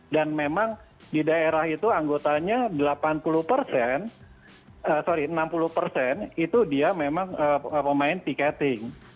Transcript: dan memang di daerah itu anggotanya enam puluh persen itu dia memang pemain tiketing